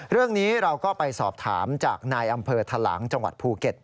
เรื่องนี้เราก็ไปสอบถามจากนายอำเภอทะลังจังหวัดภูเก็ต